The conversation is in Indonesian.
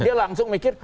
dia langsung mikir